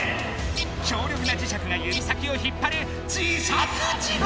強力な磁石が指先を引っぱる磁石地獄。